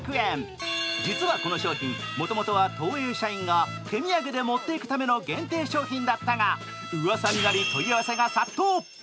実はこの商品、もともとは東映社員が手土産で持っていくための限定商品だったがうわさになり問い合わせが殺到。